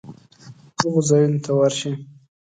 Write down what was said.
هغو ځایونو ته ورشي